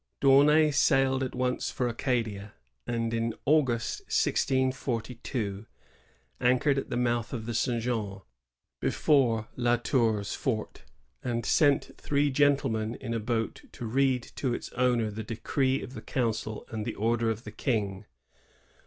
D* Aunay sailed at once for Acadia, and in August, 1642, anchored at the mouth of the St. John, before La Tour's fort, and sent three gentlemen in a boat to read to its owner the decree of the council and the order of the King.